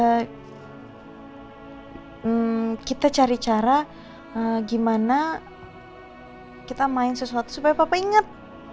kita cari cara gimana kita main sesuatu supaya papa inget